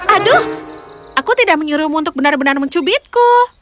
aduh aku tidak menyuruhmu untuk benar benar mencubitku